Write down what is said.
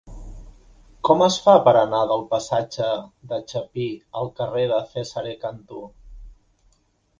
Com es fa per anar del passatge de Chapí al carrer de Cesare Cantù?